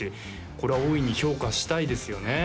これは大いに評価したいですよね